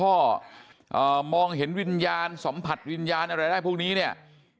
มองเห็นวิญญาณสัมผัสวิญญาณอะไรได้พวกนี้เนี่ย